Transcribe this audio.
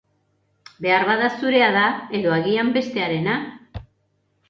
Beharbada zurea da, edo agian, beste harena.